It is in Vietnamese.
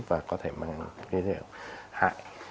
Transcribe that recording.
và có thể mang cái hiệu hại